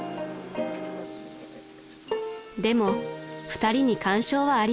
［でも２人に感傷はありません］